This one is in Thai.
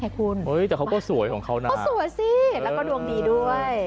เฮ้ยแต่เค้าก็สวยของเค้านะครับเค้าสวยสิแล้วก็ดวงดีด้วย